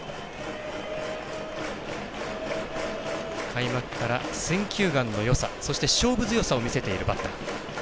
開幕から選球眼のよさそして、勝負強さを見せているバッター。